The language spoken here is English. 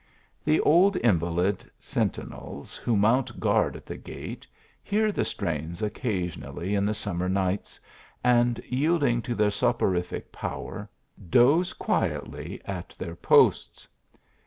The old invalid sentinels, who mount guard at the gate, hear the strains occasionally in the summer nights, and, yielding to their soporific power, doze quietly at their posts.